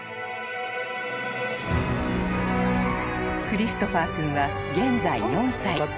［クリストファー君は現在４歳］